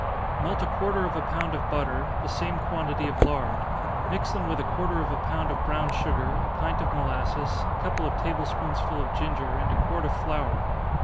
_ Melt a quarter of a pound of butter, the same quantity of lard mix them with a quarter of a pound of brown sugar, a pint of molasses, a couple of table spoonsful of ginger, and a quart of flour.